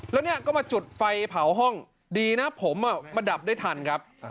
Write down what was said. แล้วเนี่ยก็มาจุดไฟเผาห้องดีนะผมมาดับได้ทันครับ